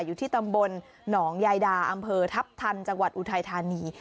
อยู่ที่ตำบลหนองยายดาอำเภอทัพทันจังหวัดอุทัยธานี